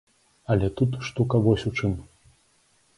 Але тут штука вось у чым.